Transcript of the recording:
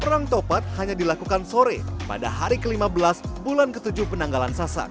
perang topet hanya dilakukan sore pada hari ke lima belas bulan ke tujuh penanggalan sasak